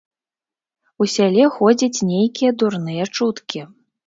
У сяле ходзяць нейкія дурныя чуткі.